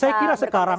saya kira sekarang